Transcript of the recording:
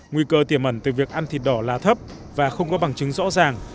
nguy cơ tiềm mẩn từ việc ăn thịt đỏ là thấp và không có bằng chứng rõ ràng